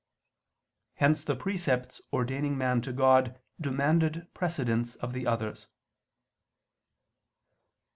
Hence the precepts ordaining man to God demanded precedence of the others.